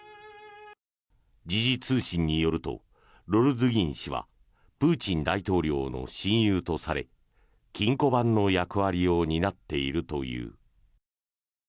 時事通信によるとロルドゥギン氏はプーチン大統領の親友とされ金庫番の役割を担っているという。